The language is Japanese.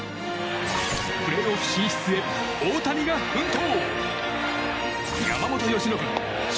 プレーオフ進出へ、大谷が奮闘！